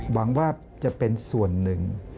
หวังว่าจะเป็นส่วนหนึ่ง